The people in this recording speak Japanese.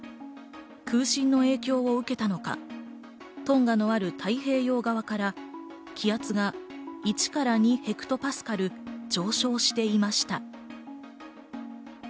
空振の影響を受けたのか、トンガのある太平洋側から気圧が１２ヘクトパスカル上昇していました。